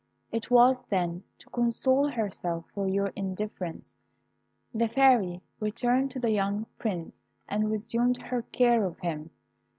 It was then that, to console herself for your indifference, the Fairy returned to the young Prince and resumed her care of him.